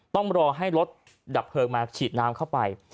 ต้องรอให้รถดับเพลิงมาฉีดน้ำเข้าไป